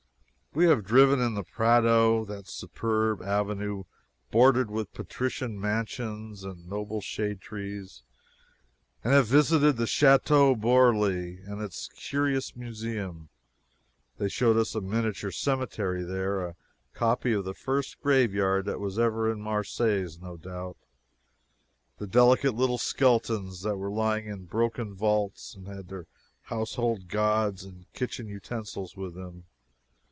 We have driven in the Prado that superb avenue bordered with patrician mansions and noble shade trees and have visited the chateau Boarely and its curious museum. They showed us a miniature cemetery there a copy of the first graveyard that was ever in Marseilles, no doubt. The delicate little skeletons were lying in broken vaults and had their household gods and kitchen utensils with them.